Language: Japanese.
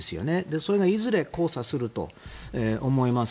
それがいずれ交差すると思います。